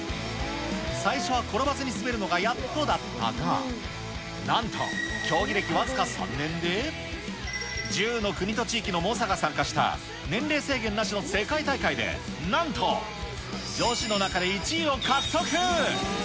最初は転ばずに滑るのがやっとだったが、なんと、競技歴僅か３年で、１０の国と地域の猛者が参加した、年齢制限なしの世界大会で、なんと女子の中で１位を獲得。